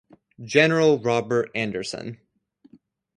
General Robert Anderson.